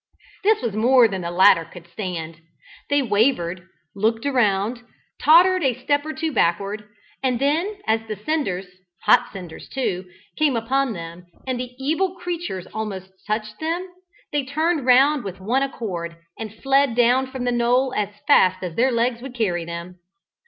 This was more than the latter could stand they wavered looked round tottered a step or two backward, and then, as the cinders, hot cinders too, came upon them and the evil creatures almost touched them, they turned round with one accord, and fled down from the knoll as fast as their legs would carry them.